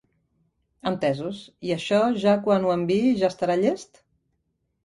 Entesos, i això ja quan ho envii ja estarà llest?